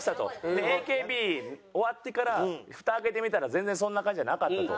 でＡＫＢ終わってからふた開けてみたら全然そんな感じじゃなかったと。